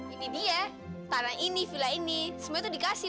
ini dia tanah ini villa ini semua itu dikasih